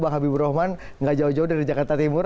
bang habibur rahman gak jauh jauh dari jakarta timur